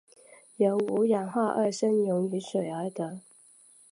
由五氧化二砷溶于水而得。